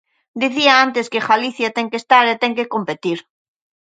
Dicía antes que Galicia ten que estar e ten que competir.